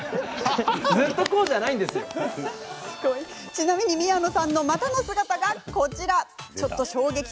ちなみに宮野さんのまたの姿がこちら。